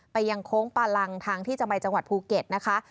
ยังโค้งปาลังทางที่จะไปจังหวัดภูเก็ตนะคะ